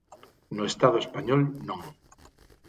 No estado español, non.